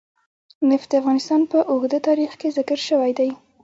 نفت د افغانستان په اوږده تاریخ کې ذکر شوی دی.